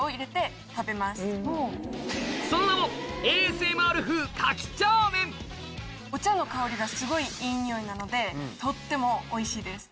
その名もお茶の香りがすごいいい匂いなのでとってもおいしいです。